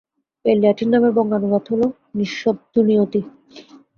এই ল্যাটিন নামের বঙ্গানুবাদ হল-নিঃশব্দুনিয়তি।